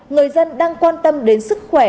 người dân đang quan tâm đến sức khỏe